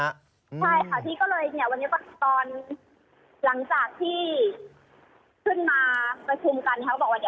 ใช่ค่ะวันนี้ก็ตอนหลังจากที่ขึ้นมาประคุมกัน